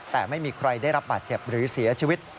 แต่ไม่มีใครได้รับบาดเจ็บหรือเสียชีวิต